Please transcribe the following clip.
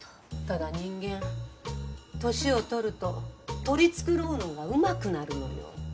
ただ人間年を取ると取り繕うのがうまくなるのよ。